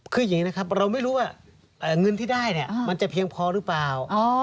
คืออย่างนี้นะครับเราไม่รู้ว่าเงินที่ได้เนี่ยมันจะเพียงพอหรือเปล่า